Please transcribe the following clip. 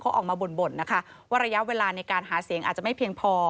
เขาออกมาบ่นนะคะว่าระยะเวลาในการหาเสียงอาจจะไม่เพียงพอ